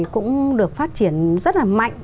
cũng được phát triển rất là mạnh